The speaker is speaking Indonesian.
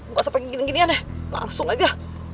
gak usah panggilin gini ginian deh langsung aja